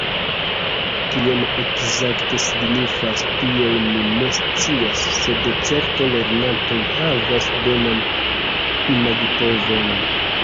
Kion ekzakte signifas 'tiel', mi ne scias, sed certe lernantoj havas bonan imagipovon.